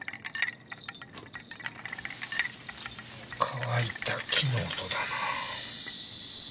乾いた木の音だな。